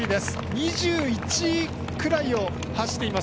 ２１位くらいを走っています。